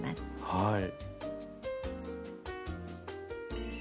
はい。